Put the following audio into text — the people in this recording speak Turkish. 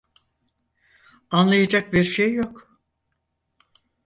Anlayacak bir şey yok.